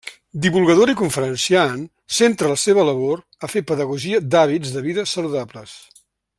Divulgadora i conferenciant, centra la seva labor a fer pedagogia d'hàbits de vida saludables.